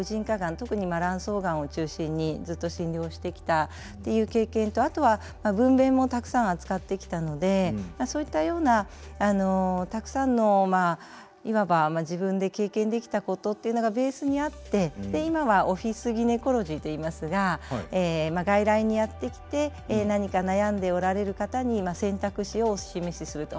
特に卵巣がんを中心にずっと診療してきたっていう経験とあとは分べんもたくさん扱ってきたのでそういったようなたくさんのまあいわば自分で経験できたことというのがベースにあって今は「オフィスギネコロジー」といいますがまあ外来にやって来て何か悩んでおられる方に選択肢をお示しすると。